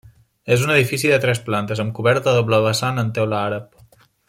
És un edifici de tres plantes, amb coberta a doble vessant en teula àrab.